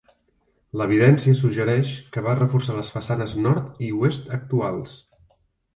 L'evidència suggereix que va reforçar les façanes nord i oest actuals.